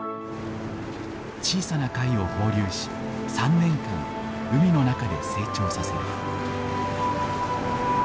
小さな貝を放流し３年間海の中で成長させる。